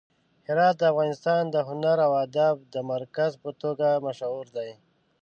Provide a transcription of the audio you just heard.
هرات د افغانستان د هنر او ادب د مرکز په توګه مشهور دی.